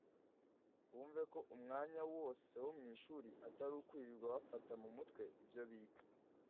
Bumve ko umwanya wose wo mu ishuri atari ukwirirwa bafata mu mutwe ibyo biga